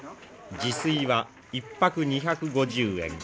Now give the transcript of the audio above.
自炊は１泊２５０円